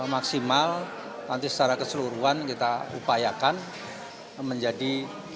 maksimal nanti secara keseluruhan kita upayakan menjadi delapan puluh satu